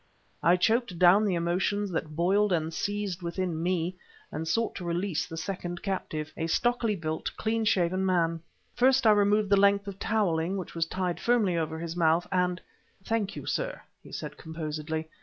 I choked down the emotions that boiled and seethed within me, and sought to release the second captive, a stockily built, clean shaven man. First I removed the length of toweling which was tied firmly over his mouth; and "Thank you, sir," he said composedly.